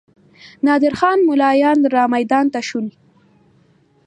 نادر خان ملایان رامیدان ته شول.